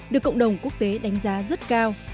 được cộng đồng quốc tế đánh giá rất cao